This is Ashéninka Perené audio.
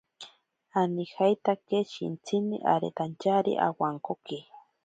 Anijeitake shintsini aretantyari awankoki.